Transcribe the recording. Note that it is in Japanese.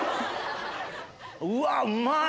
うわうまい！